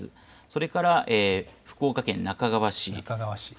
それから福岡県那珂川市。